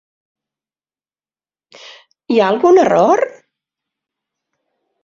Hi ha algun error?